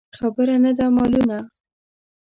خبره نه ده مالونه.